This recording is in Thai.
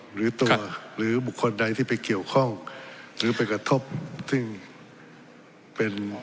หรือตัวหรือบุคคลใดที่ไปเกี่ยวข้องหรือไปกระทบซึ่งเป็น